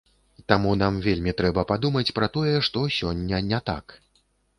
Таму нам вельмі трэба падумаць пра тое, што сёння не так.